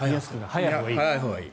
早いほうがいい。